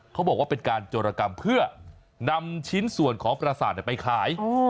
เขาบอกว่าเป็นการโจรกรรมเพื่อนำชิ้นส่วนของประสาทไปขาย